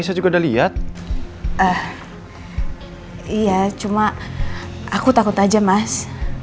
ya udah selamat malam mas